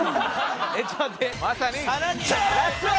まさに。